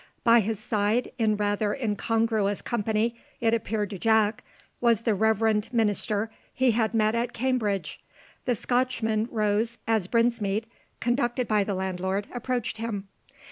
By his side, in rather incongruous company, it appeared to Jack, was the reverend minister he had met at Cambridge. The Scotchman rose as Brinsmead, conducted by the landlord, approached him.